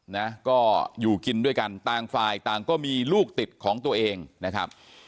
นะก็อยู่กินด้วยกันต่างฝ่ายต่างก็มีลูกติดของตัวเองนะครับ